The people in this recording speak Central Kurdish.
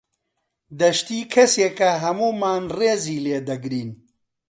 دەشتی کەسێکە هەموومان ڕێزی لێ دەگرین.